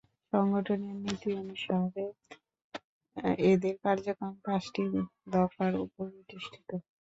সংগঠনের নীতি অনুসারে এদের কার্যক্রম পাঁচটি দফার উপর প্রতিষ্ঠিত।